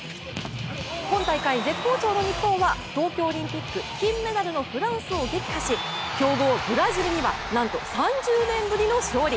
今大会絶好調の日本は東京オリンピック金メダルのフランスを撃破し、強豪ブラジルにはなんと３０年ぶりの勝利。